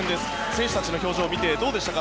選手たちの表情を見てどうですか。